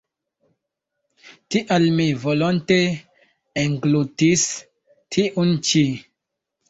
Tial mi volonte englutis tiun ĉi.